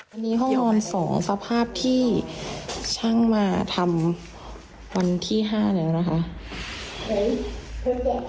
อันนี้ห้องออนสองสภาพที่ช่างมาทำวันที่ห้าเดี๋ยวนะคะ